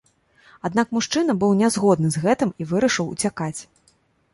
Аднак мужчына быў нязгодны з гэтым і вырашыў уцякаць.